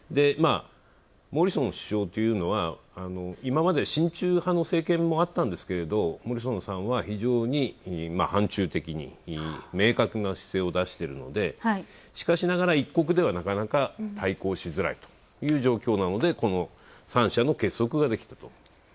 モリソン首相というのは、今まで親中派の政権もあったんですけれど、モリソンさんは非常に反中的に明確な姿勢を出してるのでしかしながら、一国ではなかなか対抗しづらいという状況なのでこの３者の結束ができたと。